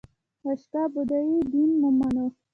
اشوکا بودایی دین ومانه.